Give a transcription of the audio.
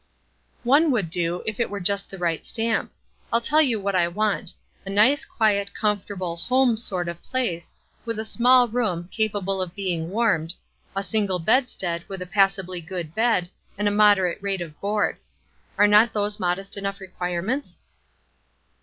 "One would do, if it were of just the right stamp. I'll tell you what I want, a nice, quiet, comfortable home sort of place, with a small room, capable of being warmed, a single bedstead, with a passably good bed, and a moderate rate of board. Are not those modest enough requirements?"